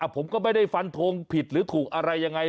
ผมก็ไม่ได้ฟันทงผิดหรือถูกอะไรยังไง